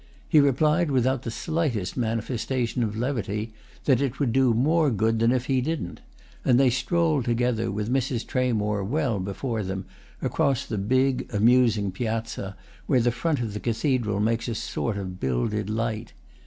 He replied without the slightest manifestation of levity that it would do more good than if he didn't, and they strolled together, with Mrs. Tramore well before them, across the big, amusing piazza, where the front of the cathedral makes a sort of builded light.